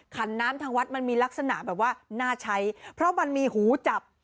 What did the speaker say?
ขันน้ำทางวัดมันมีลักษณะแบบว่าน่าใช้เพราะมันมีหูจับ